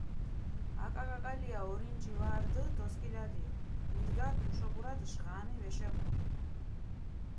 აკაკაკალია ორინჯი ვა რდჷ დოსქილადირ, მიდგაქ მუშობურათ ჟღამი ვეშეღუნ.